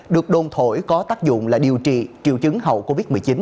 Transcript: được đồn thổi có tác dụng là điều trị triệu chứng hậu covid một mươi chín